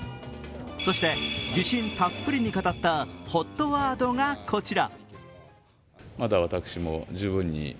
そして自信たっぷりの語ったＨＯＴワードがこちら。